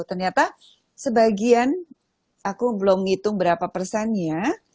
ternyata sebagian aku belum ngitung berapa persennya